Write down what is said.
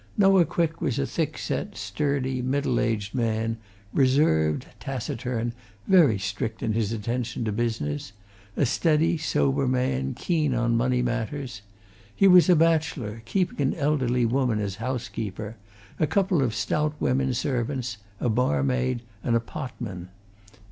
Noah Quick was a thick set, sturdy, middle aged man, reserved, taciturn, very strict in his attention to business; a steady, sober man, keen on money matters. He was a bachelor, keeping an elderly woman as housekeeper, a couple of stout women servants, a barmaid, and a potman.